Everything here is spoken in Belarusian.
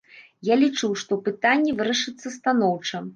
Я лічу, што пытанне вырашыцца станоўча.